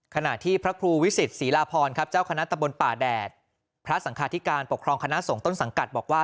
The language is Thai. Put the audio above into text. ขณะที่พระครูวิสิตศรีลาพรครับเจ้าคณะตะบนป่าแดดพระสังคาธิการปกครองคณะสงต้นสังกัดบอกว่า